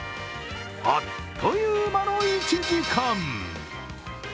あっという間の１時間。